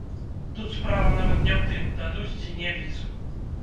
Тут справа нават не ў тым, дадуць ці не візу.